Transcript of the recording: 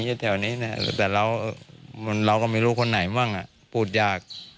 ก็มีแถวนี้นะแต่เราก็ไม่รู้คนไหนบ้างอ่ะพูดยาก